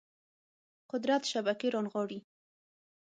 قدرت شبکې رانغاړي